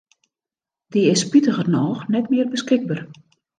Dy is spitigernôch net mear beskikber.